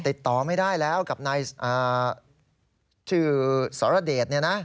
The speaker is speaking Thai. ติดต่อไม่ได้แล้วกับนายชื่อสรเดช